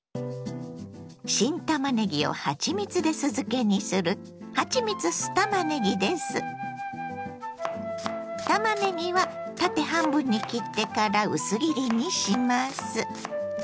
新たまねぎをはちみつで酢漬けにするたまねぎは縦半分に切ってから薄切りにします。